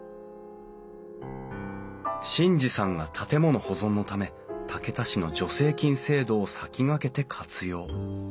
眞二さんが建物保存のため竹田市の助成金制度を先駆けて活用。